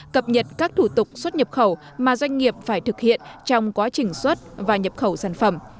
cập nhật các thủ tục xuất nhập khẩu mà doanh nghiệp phải thực hiện trong quá trình xuất và nhập khẩu sản phẩm